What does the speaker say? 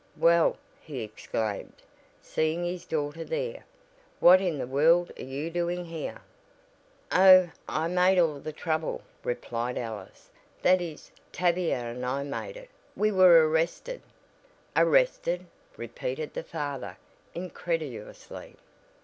"Well," he exclaimed, seeing his daughter there, "what in the world are you doing here?" "Oh, I made all the trouble," replied Alice, "that is, Tavia and I made it. We were arrested " "Arrested!" repeated the father, incredulously.